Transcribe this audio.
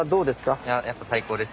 いややっぱ最高です。